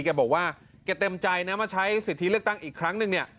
แกบอกว่าแกเต็มใจนะมาใช้สิทธิเลือกตั้งอีกครั้งนึงเนี่ย